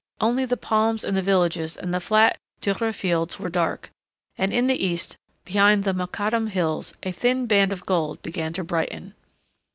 Only the palms and the villages and the flat dhurra fields were dark. And in the east behind the Mokattam hills a thin band of gold began to brighten.